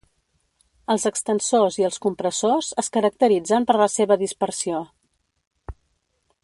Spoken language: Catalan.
Els extensors i els compressors es caracteritzen per la seva dispersió.